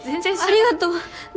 ありがとう。